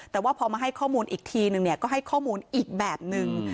แต่ว่าพอมาให้ข้อมูลอีกทีนึงก็ให้ข้อมูลอีกแบบนึง